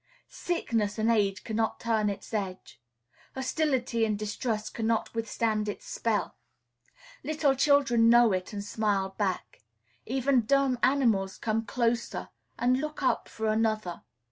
Sickness and age cannot turn its edge; hostility and distrust cannot withstand its spell; little children know it, and smile back; even dumb animals come closer, and look up for another.